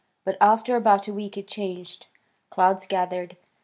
But after about a week it changed. Clouds gathered.